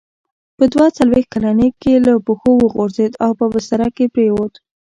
په دوه څلوېښت کلنۍ کې له پښو وغورځېد او په بستره کې پرېووت.